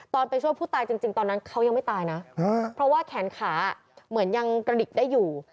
ไปช่วยผู้ตายจริงตอนนั้นเขายังไม่ตายนะเพราะว่าแขนขาเหมือนยังกระดิกได้อยู่